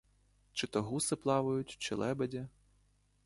Чи то гуси плавають, чи лебеді?